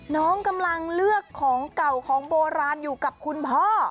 น้องกำลังเลือกของเก่าของโบราณอยู่กับคุณพ่อ